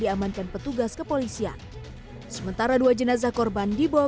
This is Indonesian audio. diamankan petugas kepolisian sementara dua jenazah korban dibawa